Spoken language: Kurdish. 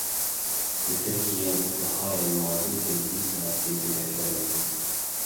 Li Tirkiyê bihayê mazotê dîsan tê zêdekirin.